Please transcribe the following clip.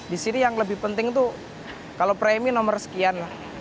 di sini yang lebih penting tuh kalau premi nomor sekian lah